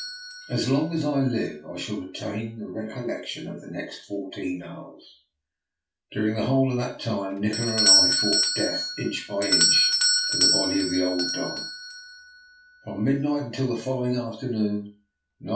As long as I live I shall retain the recollec tion of the next fourteen hours. During the whole of that time Nikola and I fought death inch by inch for the body of the old Don.